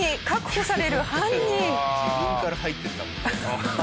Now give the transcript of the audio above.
自分から入っていったもんね。